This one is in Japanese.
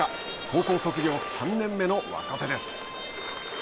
高校卒業３年目の若手です。